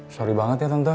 sorry banget ya tante